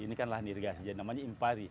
ini kan lahan irigasi namanya impari